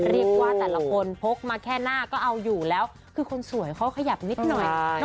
เรียกว่าแต่ละคนพกมาแค่หน้าก็เอาอยู่แล้วคือคนสวยเขาขยับนิดหน่อย